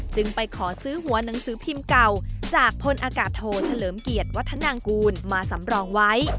จึงไปขอซื้อหัวหนังสือพิมพ์เก่าจากพลอากาศโทเฉลิมเกียรติวัฒนางกูลมาสำรองไว้